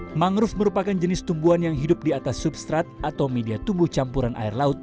hai mangrove merupakan jenis tumbuhan yang hidup di atas substrat atau media tumbuh campuran air laut